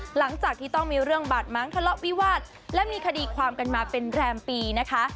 หลังจากที่ต้องมีเรื่องบาดม้างทะเลาะวิวาสและมีคดีความกันมาเป็นแรมปีนะคะ